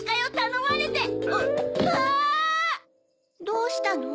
どうしたの？